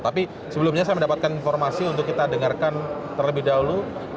tapi sebelumnya saya mendapatkan informasi untuk kita dengarkan terlebih dahulu